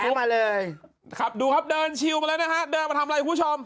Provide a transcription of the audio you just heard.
มาเลยนะครับดูครับเดินชิวมาแล้วนะฮะเดินมาทำอะไรคุณผู้ชม